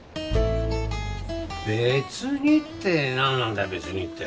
「別に」ってなんなんだよ「別に」って。